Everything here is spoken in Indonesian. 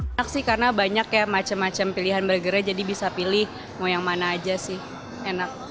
enak sih karena banyak ya macam macam pilihan burgernya jadi bisa pilih mau yang mana aja sih enak